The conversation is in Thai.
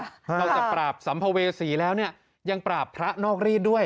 นอกจากปราบสัมภเวษีแล้วเนี่ยยังปราบพระนอกรีดด้วย